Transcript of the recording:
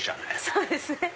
そうですね。